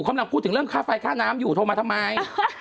กำลังพูดถึงเรื่องค่าไฟค่าน้ำอยู่โทรมาทำไม